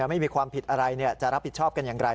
ไม่มีความผิดอะไรจะรับผิดชอบกันอย่างไร